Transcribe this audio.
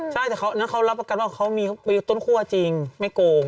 ใช่แต่เขารับประกันว่าเขามีประยุทธ์ต้นคั่วจริงไม่โกง